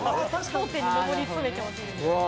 頂点に上り詰めてほしいですよね。